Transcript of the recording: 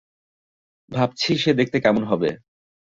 ভাবছি সে দেখতে কেমন হবে!